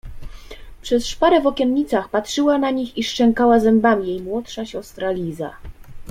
Przez szparę w okiennicach patrzyła na nich i szczękała zębami jej młodsza siostra Liza.